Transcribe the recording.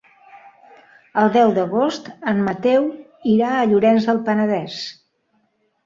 El deu d'agost en Mateu irà a Llorenç del Penedès.